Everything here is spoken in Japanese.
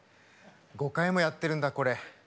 ５回もやってるんだ、これ。